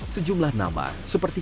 sejumlah nama seperti